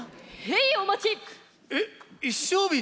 へいお待ち！